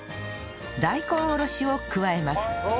大根おろしを加えます